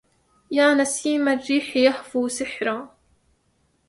يا نسيم الريح يهفو سحرا